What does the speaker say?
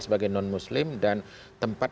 sebagai non muslim dan tempat